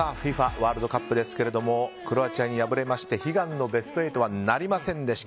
ワールドカップですがクロアチアに敗れまして悲願のベスト８はなりませんでした。